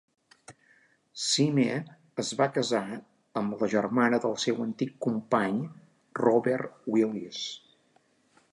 Syme es va casar amb la germana del seu antic company, Robert Willis.